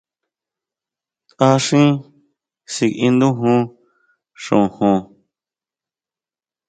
Taʼxín síkiʼindujun xojon.